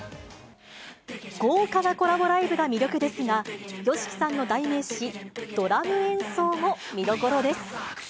豪華なコラボライブが魅力ですが、ＹＯＳＨＩＫＩさんの代名詞、ドラム演奏も見どころです。